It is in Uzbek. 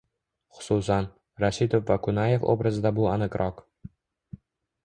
Xususan, Rashidov va Qunaev obrazida bu aniqroq